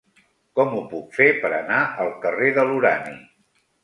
Com ho puc fer per anar al carrer de l'Urani?